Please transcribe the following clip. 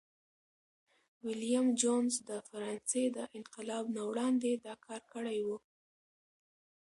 ویلیم جونز د فرانسې د انقلاب نه وړاندي دا کار کړی و.